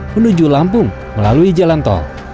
menuju lampung melalui jalan tol